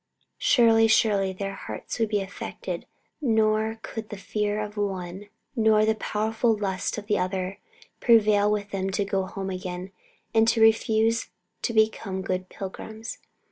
Surely, surely, their hearts would be affected, nor could the fear of the one, nor the powerful lusts of the other, prevail with them to go home again, and to refuse to become good pilgrims."